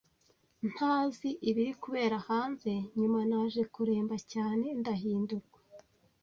ntazi ibiri kubera hanze nyuma naje kuremba cyane ndahindurwa